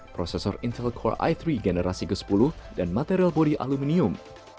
prosesor intelcore i tiga generasi ke sepuluh dan material bodi aluminium